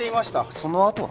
そのあとは？